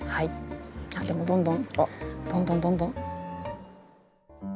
でもどんどんどんどんどんどん。